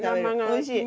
おいしい。